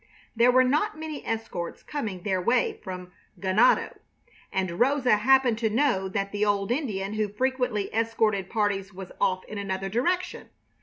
There were not many escorts coming their way from Ganado, and Rosa happened to know that the old Indian who frequently escorted parties was off in another direction.